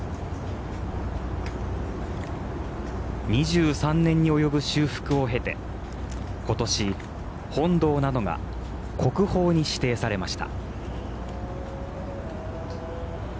２３年に及ぶ修復を経て今年、本堂などが国宝に指定されました。